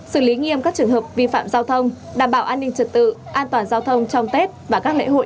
xử lý nghiêm các trường hợp vi phạm giao thông đảm bảo an ninh trật tự an toàn giao thông trong tết và các lễ hội